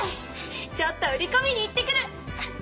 ちょっと売りこみに行ってくる！